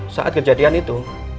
saat kejadian itu